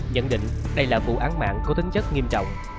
nhận định đây là vụ án mạng có tính chất nghiêm trọng